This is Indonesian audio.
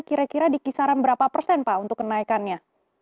kira kira di kisaran berapa persen pak untuk kenaikannya